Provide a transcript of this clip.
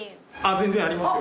全然ありますよ。